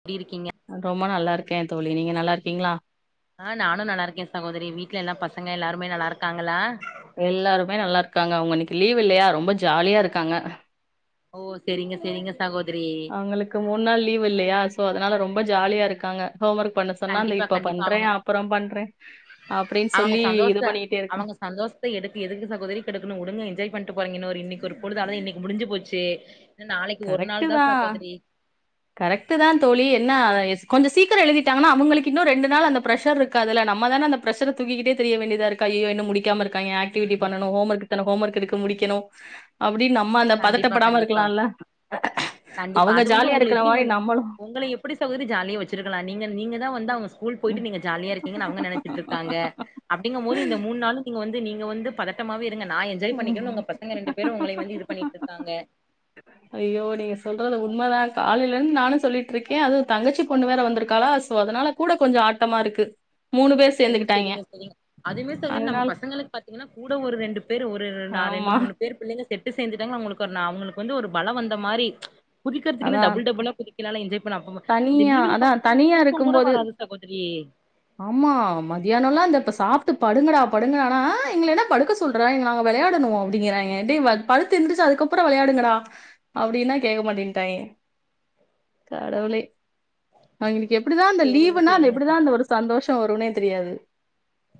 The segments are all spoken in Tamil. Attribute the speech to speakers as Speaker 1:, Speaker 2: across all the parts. Speaker 1: எப்டி இருக்கீங்க
Speaker 2: ரொம்ப நல்லார்க்கே தோழி நீங்க நல்லா இருக்கீங்ளா
Speaker 1: ஆ நானு நல்லார்க்கே சகோதரி வீட்ல எல்லா பசங்க எல்லாருமே நல்லா இருக்காங்ளா
Speaker 2: எல்லாருமே நல்லா இருக்காங்க அவுங்க இன்னிக்கி லீவ் இல்லயா ரொம்ப ஜாலியா இருக்காங்க
Speaker 1: ஓ செரிங்க செரிங்க சகோதரி
Speaker 2: உங்களுக்கு மூண் நாள் லீவ் இல்லயா சோ அதனால ரொம்ப ஜாலியா இருக்காங்க ஹோம் ஒர்க் பண்ண சொன்னா அந்த
Speaker 1: கண்டிப்பா
Speaker 2: இப்ப
Speaker 1: கண்டிப்பா
Speaker 2: பண்றே
Speaker 1: அவங்க
Speaker 2: அப்புற பண்றே அப்டின் சொல்லி இது பண்ணிட்டே இருக்க
Speaker 1: சந்தோஷ்த்த எடுக்கு எதுக்கு சகோதரி கெடுக்குணு உடுங்க என்ஜாய் பண்ட்டு போறாங்க இன்னோரு இன்னைக்கு ஒரு பொழுதுதாது இன்னிக் முடிஞ்சு போச்சு நாளைக்கு ஒரு நாள் தா சகோதரி
Speaker 2: கரெக்ட் த தோழி என்ன கொஞ்ச சீக்கர எழுதிட்டாங்கனா அவுங்களுக்கு இன்னு ரெண்டு நாள் அந்த ப்ரஷருக் காதுல நம்ம தான அந்த பிரஷர தூக்கிகிட்டே திரிய வேண்டியதாருக்கு ஐய்யய்யோ இன்னு முடிக் கியாமர்காங்க ஆக்டிவிட்டி பண்ணணு ஹோம் ஒர்க் இத்தன ஹோமொர்க் இருக்கு முடிக்கிணு அப்டி நம்ம அந்த
Speaker 1: கண்டிப்பா
Speaker 2: பதட்டப்படாம
Speaker 1: கண்டிப்பா
Speaker 2: இர்க்கிலால
Speaker 1: கண்டிப்பா அது வந்து உங்கள எப்டி
Speaker 2: மாரி
Speaker 1: வந்
Speaker 2: நம்மளும்
Speaker 1: உங்கள எப் ப்டி சகோதரி ஜாலிய வச்சுர்க்கலா நீங்க நீங்க தா வந்து அவுங்க ஸ்கூல் போயிட்டு நீங்க ஜாலியா இருக்கீங்க அவுங்க நெனச்சிட்ருக்காங்க அப்டிங்கபோது இந்த மூண் நாளு நீங்க வந் நீங்க வந்து பதட்டமாவே இருங்க நா என்ஜாய் பண்ணிக்கனு
Speaker 2: ம்
Speaker 1: உங்க பசங்க ரெண்டு பேரு உங்கள வந்து இது பண்ணிட்ருக்காங்க
Speaker 2: ஐயோ நீங்க சொல்றது உண்மதா காலைலந்து நானு சொல்லிட்ருக்கே அது தங்கச்சி பொண்ணு வேற வந்திருக்காளா சோ அதனால கூட கொஞ்ச ஆட்டமா இருக்கு பேர்
Speaker 1: ஓ
Speaker 2: சேர்ந்துக்கிட்டாய்ங்க.
Speaker 1: செரிங்க செரிங்க அதுமே சரி நம்ம
Speaker 2: அதனால
Speaker 1: பசங்களுக்கு பாத் திங்கன கூட ஒரு ரெண்டு பேர் ஒரு நா ரெண்டு
Speaker 2: ஆமா.
Speaker 1: மூணு பேரு பிள்ளைங்க செட்டு சேந்துட்டாங்கள அவுங்களுக்கு ஒர் னா அவுங்ளுக் வந்து ஒரு பலோ வந்த மாரி குதிக்கிற்துக்குனு
Speaker 2: அதான்
Speaker 1: டபுள் டபுளா கிளாள என்ஜாய் பண்ண அப்ப மட் இந்த
Speaker 2: தனியா
Speaker 1: லீவுல
Speaker 2: அதான்
Speaker 1: பாத்தீன்னா அவுங்ளுக்
Speaker 2: தனியா
Speaker 1: தூக்க கூட
Speaker 2: இருக்கும்போது
Speaker 1: வராது சகோதரி
Speaker 2: ஆமா மதியானோலா இந்த இப்ப சாப்டு படுங்கடா படுங்கடானா எங்கள இன்ன படுக்க சொல்றாய்ங்க நாங்க வெளயாடனு அப்டிங்கிறாய்ங்க டேய் படுத்து எந்திரிச்சு அதுக்கு அப்புற விளையாடுங்கடா அப்டினா கேக்க மாட்டேன்டாய்ங்க கடவுளே அவிய்ங்களுக்கு எப்டிதா அந்த
Speaker 1: சேரிங்க
Speaker 2: லீவுன்னா அந்த
Speaker 1: சேரிங்க ச
Speaker 2: எப்டிதா அந்த ஒரு சந்தோஷ வருனே தெரியாது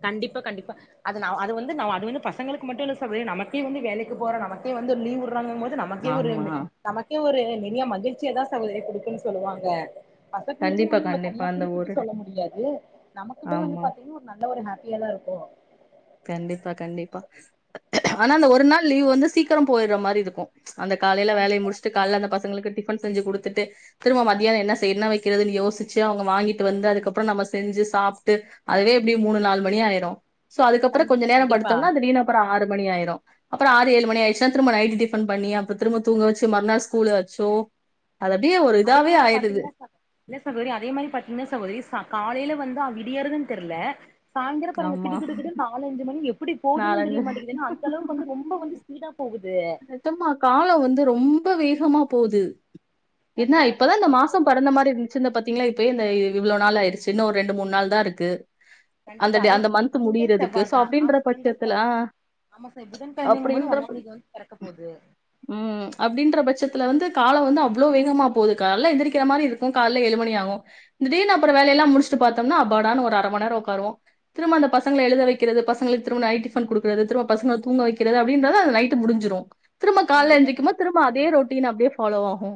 Speaker 1: கண்டிப்பா கண்டிப்பா அது நாவ் அது வந்து அது வந்து பசங்களுக்கு மட்டு இல்ல சகோதரி நமகே வந்து வேலைக்கு போற நமக்கு வந்து லீவ் வுட்ரானுங்கம்போது நமக்கே ஒரு
Speaker 2: ஆமா.
Speaker 1: நமக்கே ஒரு நெறைய மகிழ்ச்சியதா சகோதரி குடுக்குன் சொல்லுவாங்க
Speaker 2: கண்டிப்பா
Speaker 1: பசங்ளுக்குவந்து நம்ம
Speaker 2: கண்டிப்பா.
Speaker 1: தனியா
Speaker 2: அந்த
Speaker 1: குறிப்பிட்டு
Speaker 2: ஒரு
Speaker 1: சொல்ல முடியாது நமக்குமே வந்து
Speaker 2: ஆமா.
Speaker 1: பாத்தீங்னா நல்ல ஒரு ஹேப்பியா தா இருக்கு
Speaker 2: கண்டிப்பா கண்டிப்பா ஆனா அந்த ஒரு நாள் லீவு வந்து சீக்கிர போயிற்ற மாரி இருக்கு அந்த காலைல வேலய
Speaker 1: கண்டிப்பா
Speaker 2: முடிச்சுட்டு கால்லஅந்த பசங்ளுக்கு டிஃபன் செஞ்சு குடுத்துட்டு திரும்ப மத்தியான என்ன செய் என்ன வக்கிறதுன் யோசிச்சு அவங்க வாங்கிட்டு வந்து அதுக்கு அப்புற நம்ம செஞ்சு சாப்ட்டு அதுவே எப்டி மூணு நாலு மணி ஆயிரு சோ அதுக்கப்புற கொஞ்ச
Speaker 1: கண்டிப்பா
Speaker 2: நேரம்
Speaker 1: கண்டிப்பா
Speaker 2: படுத்தம்ன்னா அது நீலு அப்பற ஆறு மணி ஆயிடு அப்புற ஆறு ஏழு மணி ஆயிர்ச்சுனா திரும்ப நைட்டு பண்ணி அப்ற திரும்ப தூங்க வச்சி மற்நாள் ஸ்கூலு அச்சோ அது அப்டியே ஒரு
Speaker 1: அதே
Speaker 2: இதுவே
Speaker 1: மாரி
Speaker 2: ஆயிடுது
Speaker 1: பாத்தீங்கன்னா ச இல்ல சகோரி அதே மாரி பாத்தீங்னா சகோதரி ச காலைல வந்து அ விடியாறது தெர்ல சாய்ந்தர பாருங்க
Speaker 2: ஆமா.
Speaker 1: கிடுகிடுன் நாலுஞ்சு மணி எப்புடி போதும்ன்னு தெரிய மாட்டேங்கிது ந் அளவுக்கு வந்து ரொம்ப வந்து ஸ்பீடா போகுது
Speaker 2: எதும்மா காலோ வந்து ரொம்ப வேகமா போது என்னா
Speaker 1: கண்டிப்பா
Speaker 2: இப்பதா இந்த
Speaker 1: கண்டிப்பா
Speaker 2: மாசம்
Speaker 1: சகோதரி
Speaker 2: பறந்த மாரி இர்ந்து சிந்த பாத்தீங்ளா இப்பயே இந்த இவ்ளோ நாள் ஆயிர்ச்சு இன்ன ஒரு ரெண்டு மூண் நாள் தா இருக்கு அந்த
Speaker 1: கண்டிப்பா
Speaker 2: டே
Speaker 1: அதுவு
Speaker 2: அந்த மந்த்து
Speaker 1: திங்கள்
Speaker 2: முடிய்றதுக்கு சோ அப்டின்ற பட்சத்துல ஆ
Speaker 1: ஆம சாய் புதன்கழமைங்கும்போது
Speaker 2: அப்டின்ற
Speaker 1: ஒன்னாந் தேதி வந்து பெறக்க போது
Speaker 2: ம் அப்டின்ற பட்சத்துல வந்து கால வந்து அவ்ளோ வேகமா போது கால்ல எந்துரிக்கிற மாரி இருக்கு கால்ல ஏழு மணி ஆகு திடீன்னு அப்பற வேல எல்லா முடிச்சுட்டு பாத்தம்ன்னா அப்பாடான்னு ஒரு அர மண் நேர ஒக்காருவோ திரும்ப அந்த பசங்ள எழுத வக்கிறது பசங்ளுக்கு திரும்ப நைட்டி ஃபன் குடுக்கறது திரும பசங்க தூங்க வக்கிறது அப்டின்றது அது லைட்டு முடிஞ்சிரு திரும காலைல
Speaker 1: கண்டிப்பா
Speaker 2: ஏந்திக்குமோது
Speaker 1: கண்டிப்பா
Speaker 2: திரும்ப அதே
Speaker 1: சகோதரி
Speaker 2: ரொட்டீன் அப்டியே ஃபாலோவ் ஆகு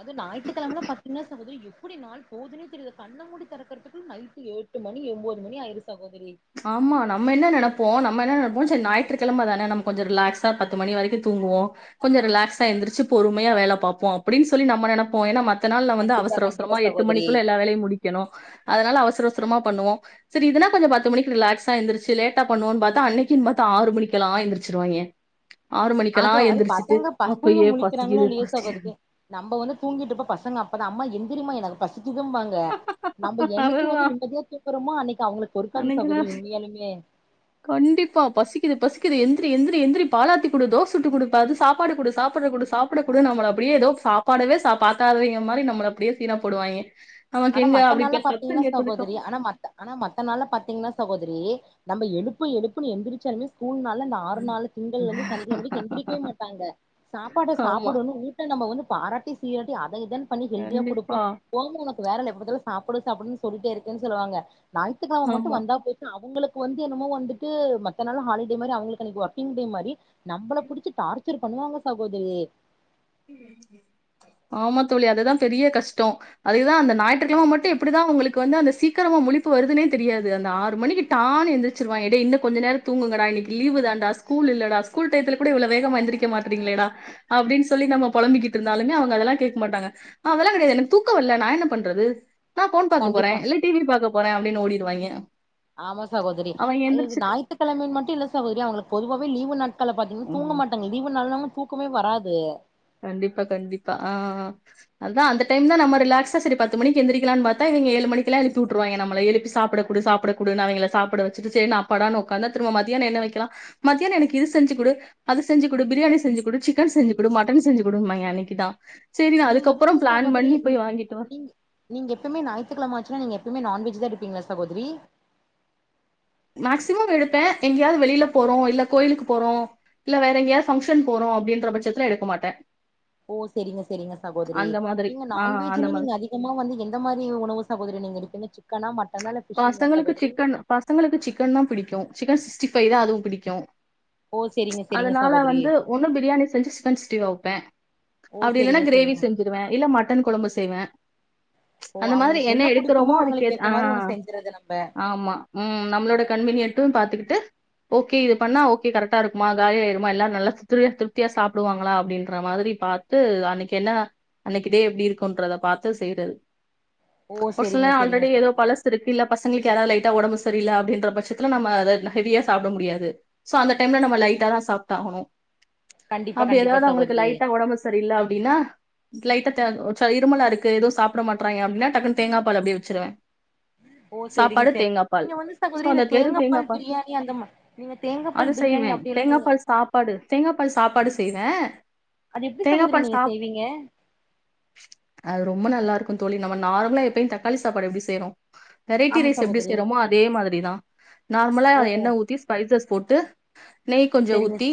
Speaker 1: அது ஞாயித்தி கழமன பாத்தீங்னா சகோத்ரி எப்புடி நாள் போதுனே தெரியுது கண்ணமூடி தெறக்கற்துக்குள் நைட்டி ஏழு எட்டு மணி ஒம்போது மணி ஆயிரு சகோதுரி
Speaker 2: ஆமா நம்ம என்ன நெனப்போ நம்ம என்ன நெனப்போ செரி ஞாயிற்று கெழம தான நம்ம கொஞ்ச ரிலாக்ஸா பத்து மணிக்கு வரக்கு தூங்குவோ கொஞ்ச ரிலாக்ஸஸா எந்துருச்சு பொறுமயா வேல பாப்போ அப்புடின் சொல்லி நம்ம நெனப்போ ஏன்னா மத் த்த நாள்ல வந்து
Speaker 1: கண்டிப்பா
Speaker 2: அவசர்
Speaker 1: கண்டிப்பா
Speaker 2: அவஸ்ரமா எட்டு
Speaker 1: சகோதரி
Speaker 2: மணிக்குள்ள எல்லா வேலையு முடி கணு அதனால அவசர அவசரமா பண்ணுவோ சரி இதுனா கொஞ்ச பத் து மணிக்கு ரிலாக்ஸ் எந்திரிச்சு இருந்துச்சு லட்டா பன்னுவோன் பாத்த அன்னக்கின் பாத்து ஆறு மணிக்கெலா எந்துரிச்சுருவாய்ங்க ஆறு மணிக்கலா
Speaker 1: அது அது
Speaker 2: எந்துரிச்சுட்டு
Speaker 1: பசங்க
Speaker 2: அப்பயே பசிக்குது பசி
Speaker 1: நம்ப வந்து தூங்கிட்டு இர்ப்போ பசங்க அப்பதா அம்மா எந்திரிம்மா எனக்கு பசிக்கிதும்பாங்க நம்ப என்னைக்கு
Speaker 2: அதுதா
Speaker 1: வந்து நிம்மதியா தூக்குறமோ அன்னக் அவங்ளுக் பொறுக்காது
Speaker 2: அன்னைக்குதா
Speaker 1: சகோதரி உண்மையாலுமே
Speaker 2: கண்டிப்பா பசிக்குது பசிக்குது எந்துரி எந்துரி எந்துரி பாலாத்தி குடு தோஸ் சுட்டு குடு ப அது சாப்பாடு குடு சாப்புட்ற குடு சாப்பாடு கொடு சாப்பாடு குடு நம்மள அப்புடியே எதோ சாப்பாடவே சா பாக்காதவிங்க மாரி நம்மள அப்புடியே சீன போடுவாய்ங்க நமக்கு
Speaker 1: ஆனா
Speaker 2: எங்க
Speaker 1: மத்த
Speaker 2: அப்படி
Speaker 1: நாள்ள
Speaker 2: பே-
Speaker 1: பாத்தீங்னா
Speaker 2: சத்தம் கேட்டதுக்கு
Speaker 1: சகோதரி ஆனா மத்த ஆனா மத்த நாள்ள பாத்தீங்னா சகோதரி நம்ம எடுப்பு எடுப்புனு எந்துரிச்சாலுமே ஸ்கூல் நாள்ல நா ஆறுநாளு திங்கள் வந்து சனிக்கெழம வரிக் எந்துரிக்வே மாட்டாங்க சாப்பாடு
Speaker 2: ஆமா
Speaker 1: சாப்புடனு நம்ம வந்து பாராட்டி சீராட்டி அத இதன் பண்ணி ஹெல்தியா குடுப்போ
Speaker 2: கண்டிப்பா
Speaker 1: ஓம வந்து வேற என்ன எப்ப பாத்தாலும் சாப்புடு சாப்புடுன் சொல்ட்டே இருக்கன் சொல்லுவாங்க ஞாயித்துகெழம மட்டு
Speaker 2: ஆமா
Speaker 1: வந்தா பெய் அவங்ளுக்கு வந்து என்னமோ வந்துட்டு மத்த நாள் ஹாலிடே மாரி அவங்ளுக்கு அன்னக்கி ஒர்க்கிங் டே வந்து மாரி நம்பள புடுச்சி டார்ச்சர் பண்ணுவாங்க சகோதரி
Speaker 2: ஆமா தோழி அதுதா பெரிய கஷ்ட்டோ அதுக்குதா அந்த அஞாயிற்றுக்கெழம மட்டு எப்புடிதா உங்களுக்கு வந்து அந்த சீக்கரமா முழிப்பு வருதுன்னே தெரியாது அந்த ஆறு மணிக்கி டா னு எந்துர்ச்சிருவாய்ங்க டே இன்ன கொஞ்ச நேர தூங்குங்ககடா இன்னக்கி லீவு தான்டா ஸ்கூல் இல்லடா ஸ்கூல் டைத்துல புடி இவ்ளோ வேகமா எந்துரிக்க மாட்றீங்ளேடா அப்டின்ஸ் சொல்லி நம்ம பொலம்பிகிட்ருந்தாலுமே அவங்க அதெல்லா கேக் மாட்டாங்கஅ அதல்லா கெடையாது எனக்கு தூக்கவர்ல நா என்ன பண்றது நான் ஃபோன் பாக்க போறே
Speaker 1: கண்டிப்பா
Speaker 2: இல்ல டிவி பாக்க போறே அப்டின் ஓடிடுவாய்ங்க
Speaker 1: ஆமா சகோதிரி இது ஞாயித்துக்கெழமன் மட்டும் இல்ல சகோதிரி அவங்களுக்கு பொதுவாவே லீவு நாட் கள பாத்தீங்கன்னா
Speaker 2: ம்.
Speaker 1: தூங்க மாட்டாங்க தீப நாள்லலா தூக்கமே வராது
Speaker 2: கண்டிப்பா கண்டிப்பா ஆ அதான் அந்த டைம் தா நம்ம ரிலாக்ஸா செரி பத்து மணி எந்திரிக்கலான்னு பாத்தா இவங்க ஏழு மணிக்கலா எழுப்பி உட்டுருவாங்க நம்மள எழுப்பி சாப்ட குடு சாப்ட குடுன் அவங்கள சாப்ட வச்சிட்டு செரின் அப்பாடானா உக்காந்தா திரும்ப மதியானம் என்ன வைக்கலா மத்தியானம் எனக்கு இது செஞ்சி குடு அது செஞ்சி குடு பிரியாணி செஞ்சி குடு சிக்கன் செஞ்சி குடு மட் டன் செஞ்சி குடும்பாங்க அன்னைக்கு தா செரி நா
Speaker 1: நீங்க எப்டி
Speaker 2: அதுக்கப்புறம் பிளான்
Speaker 1: சகோதரி
Speaker 2: பண்ணி போயி வாங்கிட்டு வ
Speaker 1: நீங்க நீங்க எப்பயுமே ஞாயித்துக்கெழம ஆச்சின்னா நீங்க எப்பமே நான்வெஜ் தா எடுப்பிங்களா சகோதிரி
Speaker 2: மேக்சிமம் எடுப்பேன் எங்கேயாவது வெளில போறோம் இல்ல கோயிலுக்கு போறோம் இல்ல வேற எங்கயா ஃபங்கஷன் போறோ அப்டின்ற பட்சத்துல எடுக்க மாட்டன்
Speaker 1: ஓ செரிங்க செரிங்க சகோதிரி
Speaker 2: மாதிரி
Speaker 1: நீங்க
Speaker 2: ஆ அந்த
Speaker 1: நான்வெஜினே
Speaker 2: மாதிரி
Speaker 1: நீங்க அதிக கமா வந்து எந்த மாரி உணவு சகோதிரி நீங்க எடுப்பிங்க சிக்கனா மட்டனா இல்ல பிஷ்ங்களா
Speaker 2: பசங்களுக்கு
Speaker 1: சகோதிரி
Speaker 2: சிக்கன் பசங்களுக்கு சிக்கன் தான் பிடிக்கும் சிக்கன் சிக்ஸ்டி ஃபைவ் தா அதுவும் பிடிக்கும்
Speaker 1: ஓ செரிங்க செரிங்க
Speaker 2: அதனால
Speaker 1: சகோதரி
Speaker 2: வந்து ஒண்ணு பிரியாணி செஞ்சி சிக்கன் சிக்ஸ்ட்டி ஃபைவ் வப்பேன்
Speaker 1: ஓ
Speaker 2: அப்டி இல்லன்னா
Speaker 1: செரிங்க
Speaker 2: கிரேவி
Speaker 1: செரிங்க
Speaker 2: செஞ்சிருவன் இல்ல மட்டன் கொழம்பு செய்வே
Speaker 1: ஓ
Speaker 2: அந்த மாதிரி
Speaker 1: அவுங்களுக்கு என்ன புடிக்குமோ
Speaker 2: எடுக்கிறோமோ
Speaker 1: அவங்களுக்கு
Speaker 2: அதுக்கேத்
Speaker 1: ஏத்த
Speaker 2: ஆ
Speaker 1: மாரி ஒண்ணு செஞ்சறது நம்ப
Speaker 2: ஆமா ம் நம்மளோட கன்வீனியன்ட்டு பாத்துக்கிட்டு ஓகே இது பண்ணா ஓகே கரக்ட்டா இருக்குமா காலியா ஆயருமா எல்லா நல்லா திரு திருப்தியா சாப்டுவாங்களா அப்டின்ற மாதிரி பா த்து அன்னைக்கு என்ன அன்னைக்கு டே எப்டி இருக்குன்றத பாத்து செய்றது
Speaker 1: ஓ
Speaker 2: ஒரு சில
Speaker 1: செரிங்க
Speaker 2: நேரம்
Speaker 1: செரிங்க
Speaker 2: ஆல்ரெடி எதோ
Speaker 1: சகோதரி
Speaker 2: ருக்கு இல்ல பசங்களுக்கு எதா லைட்டா ஒடம்பு சரியில்ல அப்டின்ற பட்சத்துல நம்ம அத ஹெவியா சாப்ட முடியாது சோ அந்த டைம்ல நம்ம லைட்டா தான் சாப்ட்டு ஆகணும்
Speaker 1: கண்டிப்பா
Speaker 2: அப்டி
Speaker 1: கண்டிப்பா
Speaker 2: எதாவது அவங்களுக்கு
Speaker 1: சகோதரி
Speaker 2: லைட்டா ஒடம்பு சரியில்ல அப்டின்னா லைட்டா த இருமலா இருக்கு எதும் சாப்ட மாட்றாங்க அப்டினா டக்குன்னு தேங்கா பால் அப்டே வச்சிருவன்
Speaker 1: ஓ செரிங்க
Speaker 2: சாப்பாடு
Speaker 1: செரி
Speaker 2: தேங்கா பால்
Speaker 1: நீங்க வந்து சகோதரி இந்த
Speaker 2: சொன்னது வெரும்
Speaker 1: தேங்காப்பால்
Speaker 2: தேங்காபால்
Speaker 1: பிரியாணி அந்த மா நீங்க தேங்காப்பால்
Speaker 2: அது
Speaker 1: பிரியாணி
Speaker 2: செய்வேன்
Speaker 1: அப்டியெல்லா நீங்க
Speaker 2: தேங்காபால் சாப்பாடு தேங்காபால் சாப்பாடு செய்வேன்
Speaker 1: அது எப்டி சகோதிரி நீங்க செய்வீங்க
Speaker 2: அது ரொம்ப நல்லா இருக்கும் தோழி நம்ம நார்மலா எப்பயும் தக்காளி சாப்பாடு எப்டி செய்றோம் வெரைட்டி
Speaker 1: ஆமா
Speaker 2: ரைஸ் எப்டி
Speaker 1: சகோதரி
Speaker 2: செய்யறோமோ அதே மாதிரிதான் நார்மலா
Speaker 1: ஓ
Speaker 2: அத எண்ண ஊத்தி ஸ்பைசஸ் போட்டு நெய் கொஞ்சம்
Speaker 1: செரிங்க
Speaker 2: ஊத்தி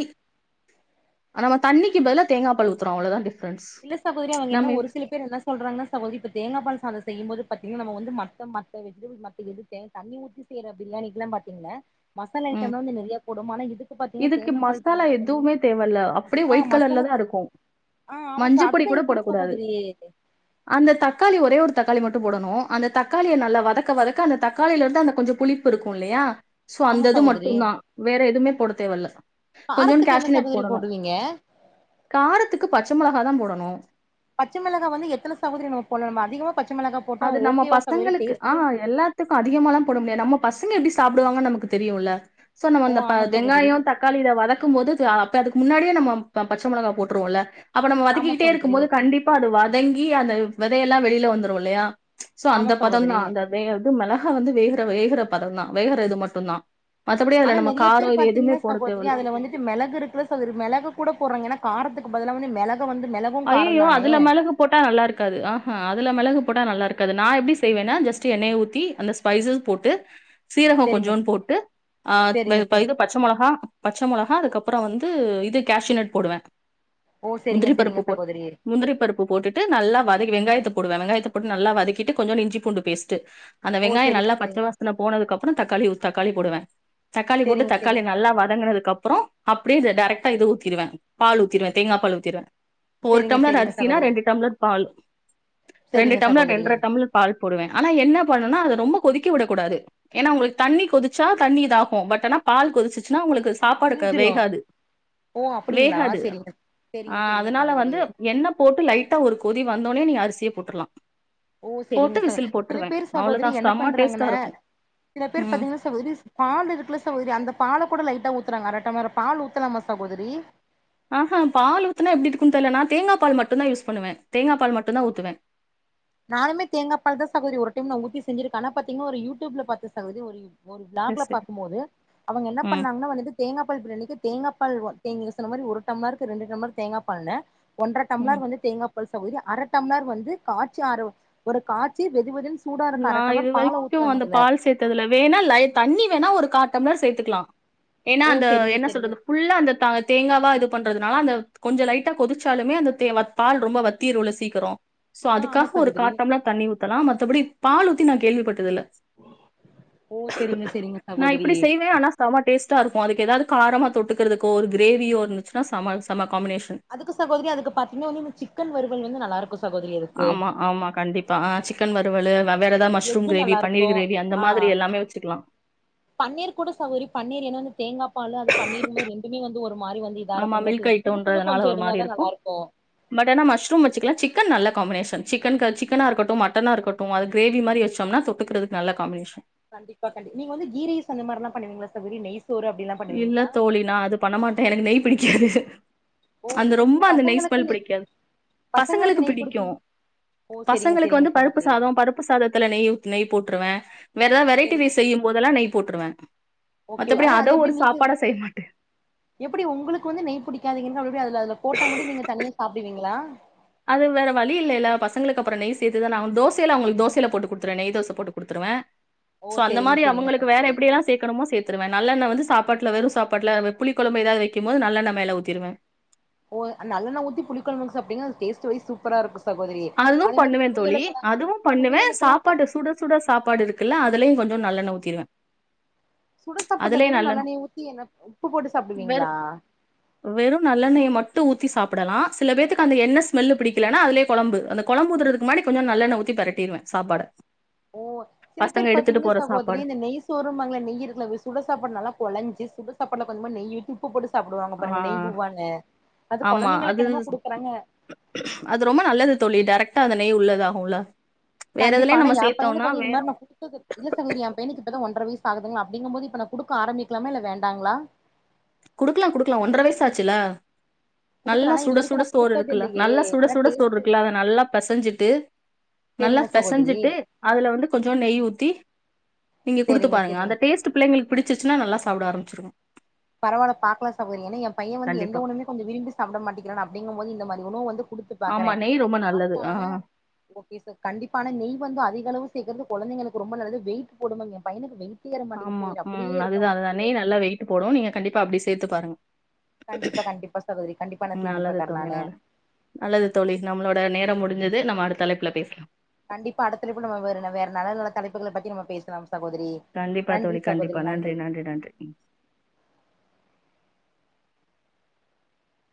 Speaker 2: நம்ம தண்ணிக்கு பதில தேங்கா பால் ஊத்தறோம் அவ்ளோதா டிப்
Speaker 1: இல்ல சாகோதிரி அவங்க என்ன ஒரு சில பேரு என்ன சொல்றாங்கன்னா சகோதிரி இப்ப தேங்காபால் செய்யும் போது பாத்தீங்கனா நம்ம வந்து மத்த மத்த வெஜிடபிள் மத்த எது தண்ணி ஊத்தி செய்யற பிரியாணிக்குலாம் பாத்தீங்கள மசாலா
Speaker 2: ம்
Speaker 1: ஐட்டம் வந்து நிறையா போடும் ஆனா இதுக்கு பாத்தீங்கன்னா
Speaker 2: இதுக்கு
Speaker 1: தேங்காப்பால்
Speaker 2: மசாலா
Speaker 1: பிரியாணிக்கு வந்தீங்கன்னா
Speaker 2: எதுவுமே தேவ இல்ல அப்டே
Speaker 1: ஆ
Speaker 2: ஒயிட் கலர்ல
Speaker 1: மசாலா
Speaker 2: தா
Speaker 1: தே
Speaker 2: இருக்கும்
Speaker 1: ஆ ஆமா
Speaker 2: மஞ்ச
Speaker 1: ச
Speaker 2: பொடி
Speaker 1: அதுதா
Speaker 2: கூட
Speaker 1: எப்டி
Speaker 2: போடக்கூடாது
Speaker 1: சகோதரி
Speaker 2: அந்த தக்காளி ஒரே ஒரு தக்காளி மட்டும் போடணும் அந்த தக்காளிய நல்லா வதக்க வதக்க அந்த தக்காளியில இருந்து அந்த கொஞ்ச புளி ப்பு இருக்கும் இல்லையா சோ
Speaker 1: ஆமா
Speaker 2: அந்த இது
Speaker 1: சகோதரி
Speaker 2: மட்டும் தான் வேற எதுவுமே போட வல்ல கொஞ்சோன்
Speaker 1: காரத்துக்கு என்ன
Speaker 2: கேஷிவ்னெட்
Speaker 1: சகோதரி
Speaker 2: போடணும்
Speaker 1: போடுவீங்க
Speaker 2: காரத்துக்கு பச்ச மொளகா தா போடணும்
Speaker 1: பச்ச மிளகா வந்து எத்தன சகோதிரி நம்ம போடலா நம்ம அதிகமா பச்ச மிளகா போட்டா
Speaker 2: அது நம்ம
Speaker 1: ஓகேவா சகோதரி
Speaker 2: பசங்களுக்கு ஆ
Speaker 1: டேஸ்ட்டு
Speaker 2: எல்லா த்துக்கும் அதிகமாலாம் போட முடியாது நம்ம பசங்க எப்டி சாப்டுவாங்கன் நமக்கு தெரியும் இல்ல சோ நம்ம
Speaker 1: ஓ
Speaker 2: இந்த ப
Speaker 1: ஆமா சகோதரி
Speaker 2: வெங்காயம் தக் காளி இத வதக்கும் போது அப்ப அதுக்கு முன்னாடியே நம்ம பச்ச மொளகா போட்டுருவோம் இல்ல அப்ப நம்ம
Speaker 1: ஆமா
Speaker 2: வதக்கிகிட்டே இருக்கும்
Speaker 1: சகோதரி
Speaker 2: போது கண்டிப்பா அது வதங்கி அந்த வெதயெல்லாம் வெளில வந்துரும் இல்லையா சோ
Speaker 1: ஆமா
Speaker 2: அந்த பதம்
Speaker 1: சகோதரி
Speaker 2: தான் அந்த வே இது மெளகா வந்து வேகற வேகற பதம் தான் வேகற இது மட்டுந்தான்
Speaker 1: ஆனா நெறைய பேர் பாத்தீங்கன்னா சகோதரி
Speaker 2: தேவல்ல
Speaker 1: அதுல வந்துட்டு மெளகு இருக்குல [unintelligible] மெளகு கூட போடுறாங்க ஏனா காரத்துக்கு பதிலா வந்து மெளகு வந்து மெள
Speaker 2: அய்யயோ அதுல மெளகு போட்டா நல்லா இருக்காது ஆஹா அதுல மெளகு போட்டா நல்லா இருக்காது நா எப்டி செய்வேனா ஜெஸ்ட்டு எண்ணைய ஊத்தி அந்த ஸ்பைசஸ் போட்டு சீரக
Speaker 1: செரிங்க
Speaker 2: கொஞ்சோன்டு போட்டு ஆ
Speaker 1: செரிங்க செரி
Speaker 2: [unintelligible] பச்ச மொளகா பச்ச மொளகா அதுக்கு அப்புறோ வந்து இது கேஷூனட் போடுவ
Speaker 1: ஓ செரிங்க செரிங்க சகோதரி
Speaker 2: முந்திரி பருப்பு போட்டுட்டு நல்லா வதக்கி வெங்காயத்தை போடுவே வெங்காயத்த போட்டு நல்லா வதகிட்டு கொஞ்சோன்டு இஞ்சி பூண்டு பேஸ்டு அந்த
Speaker 1: ஓ
Speaker 2: வெங்காய
Speaker 1: செரிங்க
Speaker 2: நல்லா பச்சை
Speaker 1: செரிங்க
Speaker 2: வாசனை போனதுக்கு அப்பற தக்காளி ஒரு தக்காளி போடுவே தக்காளி போட்டு
Speaker 1: செரிங்க
Speaker 2: தக்காளி
Speaker 1: செரிங்க
Speaker 2: நல்லா
Speaker 1: சகோதரி
Speaker 2: வதங்கனதுக்கு அப்றோ அப்டியே இது டரெக்டா இது ஊத்திருவே பால் ஊத்திருவே தேங்கா பால் ஊத்திருவே இப்ப ஒரு
Speaker 1: செரிங்க
Speaker 2: டம்ளர்
Speaker 1: செரிங்க
Speaker 2: அரிசனா
Speaker 1: சகோதரி
Speaker 2: ரெண்டு டம்பளர் பால் ரெண்டு
Speaker 1: செரிங்க
Speaker 2: டம்ளர்
Speaker 1: சகோதரி
Speaker 2: ரெண்டர டம்பளர் பால் போடுவே ஆனா என்ன பண்ணுனா அத ரொம்ப கொதிக்க விடக் கூடாது ஏன்னா உங்களுக்கு தண்ணி கொதிச்சா தண்ணி இதாகு பட் ஆனா பால் கொதிச்சுச்சுன்னா உங்களுக்கு சாப்பாடு க
Speaker 1: திரிஞ்சிரு
Speaker 2: வேகாது
Speaker 1: ஓ அப்டிங்களா
Speaker 2: வேகாது
Speaker 1: செரிங்க
Speaker 2: ஆ
Speaker 1: செரிங்க செரிங்க
Speaker 2: னால
Speaker 1: சகோதரி
Speaker 2: வந்து எண்ணெ போட்டு லைட்டா ஒரு கொதி வந்தோனே நீ அரிசிய போட்ருலா
Speaker 1: ஓ செரிங்க ச சில பேரு சகோதரி
Speaker 2: அவ்வளவுதான்
Speaker 1: என்ன
Speaker 2: செம்ம டேஸ்டா
Speaker 1: பண்றாங்கனா
Speaker 2: இருக்கும்
Speaker 1: சில பேர்
Speaker 2: ம்
Speaker 1: பாத்தீங்னா சகோதரிஸ் பால் இருக்குல சகோதரி அந்த பால கூட லைட்டா ஊத்துறாங்க அர டம்ளர் பால் ஊத்தலாமா சகோதரி
Speaker 2: ஆஹா பால் ஊத்துனா எப்டி இருக்குன்னு தெரில நா தேங்கா பால் மட்டு தா யூஸ் பண்ணுவே தேங்கா பால் மட்டு தா ஊத்துவே
Speaker 1: நானுமே தேங்காப்பால் தா சகோதரி ஒரு டைம் நா ஊத்தி செஞ்சிருக்கே ஆனா பாத்தீங்ன்னா ஒரு யூ டியூப்ல பாத்த சகோதரி ஒரு யூ ஒரு
Speaker 2: சரி
Speaker 1: விளாக்ல
Speaker 2: சரி
Speaker 1: பாக்கும்போது அவங்க என்ன
Speaker 2: ம்
Speaker 1: பண்ணாங்கன்னா வந்துட்டு தேங்கா பால் பிரியாணிக்கு தேங்காப்பால் தேங் நீங்க சொன்ன மாதிரி ஒரு டம்ளருக்கு ரெண்டு டம்ளர் தேங்கா பால்ன்னு ஒன்ர டம்ளர்
Speaker 2: ம்
Speaker 1: வந்து தேங்கா பால் சகோதரி அர டம்ளர் வந்து காச்சி ஆரோ ஒரு காச்சி வெது வெதுன்னு சூடா இருக்கு அர டம்ளர் பால ஊத்துறாங்க அதுல
Speaker 2: இதுல வேணா லை தண்ணி வேணா ஒரு கா டம்ளர் சேத்துக்கலா ஏனா
Speaker 1: ஓ
Speaker 2: அந்த
Speaker 1: செரிங்க
Speaker 2: என்ன
Speaker 1: செரிங்க
Speaker 2: சொல்றது ஃபுல்லா அந்த த தேங்காவா இது பண்றதுனால அந்த கொஞ்ச லைட்டா கொதிச்சாலுமே அந்த தே வத் பால் ரொம்ப வத்திருல சீக்கிரோ சோ
Speaker 1: ஆ ஆமா
Speaker 2: அதுக்காக ஒரு கா
Speaker 1: சகோதரி
Speaker 2: டம்ளர் தண்ணி ஊத்தலா மத்தபடி பால் ஊத்தி நா கேள்விப்பட்டது இல்ல
Speaker 1: ஓ செரிங்க செரிங்க
Speaker 2: நா இப்பிடி
Speaker 1: சகோதரி
Speaker 2: செய்வே ஆனா செம டேஸ்ட்டா இருக்கு அதுக்கு எதாவது காரமா தொட்டுக்கறதுக்கோ ஒரு கிரேவியோ இருந்துச்சுன்னா செம செம காம்பினேஷன்
Speaker 1: அதுக்கு சகோதரி அதுக்கு பாத்தீங்கன்னா வந்து இந்த சிக்கன் வறுவல் வந்து நல்லா இருக்கு சகோதரி அதுக்கு
Speaker 2: ஆமா ஆமா கண்டிப்பா ஆ சிக்கன் வறுவலு வெவ்வேற ஏதாவது மஷ்ரூம்
Speaker 1: எக்கு
Speaker 2: கிரேவி
Speaker 1: நல்லா இருக்கு
Speaker 2: பன்னீர் கிரேவி அந்த
Speaker 1: ஆ
Speaker 2: மாதிரி எல்லாமே வெச்சுக்கலா
Speaker 1: பன்னீர் கூட சகோதரி பன்னீர் ஏன்னா அந்த தேங்கா பாலு அது பன்னீர்ங்க போது ரெண்டுமே வந்து ஒரு மாரி வந்து இதா
Speaker 2: ஆமா
Speaker 1: இருக்கும்ல
Speaker 2: மில்க்
Speaker 1: சுருக்குன்னு
Speaker 2: ஐட்டம்ன்றதுனால
Speaker 1: கொஞ்சோ
Speaker 2: ஒரு மாரி
Speaker 1: இருந்தாதா நல்லா இருக்கு
Speaker 2: பட் ஆனா மஷ்ரூம் வெச்சுக்கலா சிக்கன் நல்லா காம்பினேஷன் சிக்கன்க்கு சிக்கன்னா இருக்கட்டு மட்டன்னா இருக்கட்டு அது கிரேவி மாரி வெச்சம்னா தொட் தொட்டுக்கறதுக்கு நல்லா காம்பினேஷன்
Speaker 1: கண்டிப்பா கண்டி நீங்க வந்து கீ ரைஸ் அந்த மாரிலா பண்ணுவீங்களா சகோதரி நெய் சோறு அப்டிலா
Speaker 2: இல்ல
Speaker 1: பண்ணுவீங்களா
Speaker 2: தோழி நான அது பண்ணமாட்டே எனக்கு நெய் பிடிக்காது
Speaker 1: ஓ
Speaker 2: அந்த
Speaker 1: ஓ
Speaker 2: ரொம்ப
Speaker 1: நீங்க
Speaker 2: அந்த நெய்
Speaker 1: பசங்களுக்கு
Speaker 2: ஸ்மெல் பிடிக்காது பசங்களுக்கு
Speaker 1: நெய்
Speaker 2: பிடிக்கு
Speaker 1: குடுப்பீங்க ஓ செரிங்க
Speaker 2: பசங்களுக்கு
Speaker 1: செரிங்க
Speaker 2: வந்து பருப்பு
Speaker 1: சகோதரி
Speaker 2: சாதோ பருப்பு சாதத்துல நெய் ஊத் நெய் போட்டுருவே வேற ஏதாவது வெரைட்டி
Speaker 1: செரிங்க
Speaker 2: ரைஸ் செய்யும் போதெல்லா நெய் போட்டுருவே மத்தபடி அத ஒரு
Speaker 1: [unintelligible]
Speaker 2: சாப்பாடா செய்ய மாட்டே
Speaker 1: எப்புடி உங்களுக்கு வந்து நெய் புடிக்காதீங்கன் சொல்ற அதுல அதுல போட்டா மட்டு நீங்க தனியா சாப்புடுவீங்களா
Speaker 2: அது வேற வழி இல்லைல பசங்களுக்கு அப்பறோ நெய் சேத்துதானே ஆவனு தோசையில அவங்களுக்கு தோசையில போட்டு குடுத்துருவே நெய் தோச போட்டு குடுத்துருவே சோ
Speaker 1: ஓ
Speaker 2: அந்த
Speaker 1: செரிங்க
Speaker 2: மாரி
Speaker 1: செரிங்க
Speaker 2: அவங்களுக்கு வேற
Speaker 1: சகோதரி
Speaker 2: எப்டியெல்லா சேக்கணுமோ சேத் த்துருவே நல்லெண்ண வந்து சாப்பாட்டுல வெறு சாப்பாட்டுல புளி கொழம்பு ஏதாவது வெக்கும் போது நல்லெண்ண மேல ஊத்திருவே
Speaker 1: ஓ நல்லெண்ண ஊத்தி புளி கொழம்புக்கு சாப்ட்டீங்கனா அது டேஸ்ட் வைஸ் சூப்பரா இருக்கு சகோதரி
Speaker 2: அது
Speaker 1: அதே மாரி
Speaker 2: பண்ணுவ தோழி
Speaker 1: துவையலுக்கெல்லா
Speaker 2: அதுவு பண்ணுவ
Speaker 1: துவையலுக்கெல்லா ப
Speaker 2: சாப்பாடு சுட சுட சாப்பாடு இருக்குல்ல அதுலயு கொஞ்சோ நல்லண்ணெ ஊத்திருவ
Speaker 1: சுட சாப்பாட்ல வெறு நல்லெண்ணெய ஊத்தி என்ன உப்பு போட்டு
Speaker 2: வெறு
Speaker 1: சாப்டுவீங்ளா
Speaker 2: வெறு நல்லெண்ணெய மட்டு ஊத்தி சாப்படலா சில பேத்துக்கு அந்த எண்ணெ ஸ்மல்லு பிடிக்கலன்னா அதுலே கொழம்பு அந்த கொழம்பு ஊத்தறதுக்கு முன்னாடி கொஞ்சோ நல்லெண்ண ஊத்தி பெரட்டிருவ சாப்பாட
Speaker 1: ஓ சில
Speaker 2: பசங்க
Speaker 1: பேர்
Speaker 2: எடுத்துட்டு
Speaker 1: பாத்தீங்ன்னா
Speaker 2: போற
Speaker 1: சகோதரி
Speaker 2: சாப்பாடு
Speaker 1: இந்த நெய் சோறூம்பாங்ல நெய்யி இருக்கல சுடசாப்பாட்ல நல்ல கொழஞ்சு சுட சாப்பாட்ல கொஞ்சமா நெய்யி ஊத்தி உப்பு போட்டு சாப்டுவாங்க
Speaker 2: ஆ
Speaker 1: பாருங்க நெய் பூவான்னு அது
Speaker 2: ஆமா அது
Speaker 1: கொழந்தைங்களுக்கு என்னமோ குடுக்கறாங்க
Speaker 2: அது ரொம்ப நல்லது தோழி டெரெக்டா அத நெய் உள்ளதாகுல்ல வேற
Speaker 1: கண்டிப்பா
Speaker 2: எதுலயு
Speaker 1: ஆனா
Speaker 2: நம்ம
Speaker 1: ஏ பையனுக்கு
Speaker 2: சேத்தோம்னா
Speaker 1: வந்து இது
Speaker 2: வேற
Speaker 1: மாரி நா குடுத்துது இல்ல சகோதரி ஏ பையனுக்குப்பதா ஒன்ற வயசு ஆகுதுங்ளா அப்டிங்க போது இப்ப நா குடுக்க ஆரம்பிக்கலாமா இல்ல வேண்டாங்களா
Speaker 2: குடுக்லா குடுக்லா ஒன்ற வயசு ஆச்சுல நல்லா
Speaker 1: குடுக்கலானா இது
Speaker 2: சுட
Speaker 1: வரைக்கு
Speaker 2: சுட
Speaker 1: நா
Speaker 2: சோறு
Speaker 1: குடுத்தது
Speaker 2: இருக்குல்ல
Speaker 1: இல்லையே
Speaker 2: நல்லா
Speaker 1: ஆனா
Speaker 2: சுடசுட சோறு
Speaker 1: டேஸ்ட்
Speaker 2: இருக்குல்ல அத நல்லா பெசஞ்சிட்டு நல்லா
Speaker 1: சேரிங்க சகோதரி
Speaker 2: பெசஞ்சிட்டு அதுல வந்து கொஞ்சோ நெய் ஊத்தி நீங்க குடுத்து
Speaker 1: சேரிங்க
Speaker 2: பாருங்க
Speaker 1: சேரிங்க
Speaker 2: அந்த டேஸ்ட் ட்டு பிள்ளைங்களுக்கு பிடிச்சிர்சுனா நல்லா சாப்ட ஆரம்பிச்சுருங்
Speaker 1: பரவால்ல பாக்லா சகோதரி ஏனா ஏ பைய வந்து எந்த
Speaker 2: கண்டிப்பா
Speaker 1: உணவுமே கொஞ்சொ விரும்பி சாப்ட மாட்டிங்கிறா அப்டிங்குபோது இந்த மாரி உணவு வந்து குடுத்து பாக்கற
Speaker 2: ஆமா நெய் ரொம்ப நல்லது ஆ
Speaker 1: சாப்ட்டானா ஓகே சார் கண்டிப்பானா நெய் வந்து அதிக அளவு சேக்கறது கொழந்தைங்களுக்கு ரொம்ப நல்லது வெயிட் போடுங்க ஏ பையனுக்கு வெயிட்
Speaker 2: ஆமா ம் அதுதா அதுதா நெய் நல்லா வெயிட்டு போடு நீங்க கண்டிப்பா அப்டி சேத்து பாருங்க
Speaker 1: கண்டிப்பா கண்டிப்பா சகோதரி கண்டிப்பா நா சேத்தூ
Speaker 2: நல்லது
Speaker 1: பாக்ற
Speaker 2: தோழி
Speaker 1: நானு
Speaker 2: நல்லது நல்லது தோழி நம்மளோட நேரோ முடிஞ்சுது நம்ம அடுத்த அழைப்புல பேசலா
Speaker 1: கண்டிப்பா அடுத்தழப்புல நம்ம வேற வேற நல்ல நல்ல தலைப்புகள பத்தி நம்ம பேசலா சகோதரி
Speaker 2: கண்டிப்பா
Speaker 1: நன்றி
Speaker 2: தோழி கண்டிப்பா
Speaker 1: சகோதரி
Speaker 2: நன்றி நன்றி நன்றி ம்